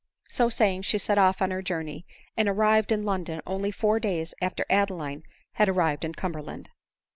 " So saying she set off on her journey, and arrived in London only four days after Adeline had arrived in Cumberland.